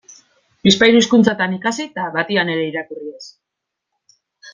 Bizpahiru hizkuntzatan ikasi eta batean ere irakurri ez.